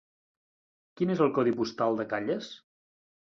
Quin és el codi postal de Calles?